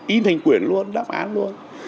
in thành quyển luôn đáp án luôn